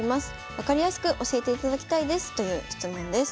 分かりやすく教えていただきたいです」という質問です。